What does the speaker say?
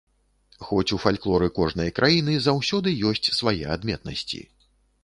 Хоць у фальклоры кожнай краіны заўсёды ёсць свае адметнасці.